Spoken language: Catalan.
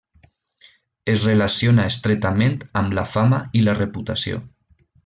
Es relaciona estretament amb la fama i la reputació.